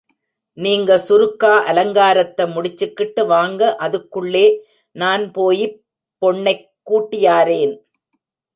நீங்க சுருக்கா அலங்காரத்தை முடிச்சிக்கிட்டு வாங்க அதுக்குள்ளே நான் போயிப் பொண்ணெக் கூட்டியாரேன்.